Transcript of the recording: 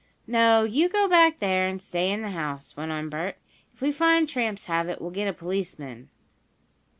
"No, you go back there, and stay in the house," went on Bert. "If we find tramps have it, we'll get a policeman."